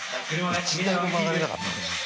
１台も曲がれなかったの？